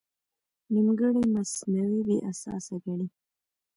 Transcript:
نیمګړی مصنوعي بې اساسه ګڼي.